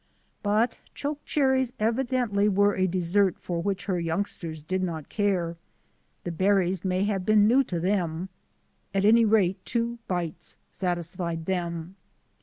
But chokecherries evidently were a dessert for which her youngsters did not care. The berries may have been new to them. At any rate, two bites satisfied them.